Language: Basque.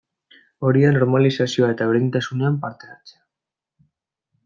Hori da normalizazioa eta berdintasunean parte hartzea.